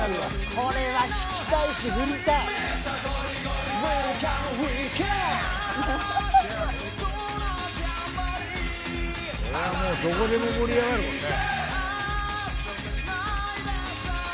これはもうどこでも盛り上がるもんね。